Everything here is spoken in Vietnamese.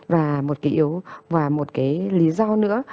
và một cái yếu và một cái lý do nữa